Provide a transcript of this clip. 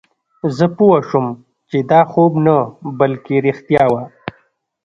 زه پوه شوم چې دا خوب نه بلکې رښتیا وه